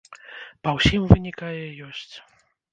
Па ўсім вынікае, ёсць.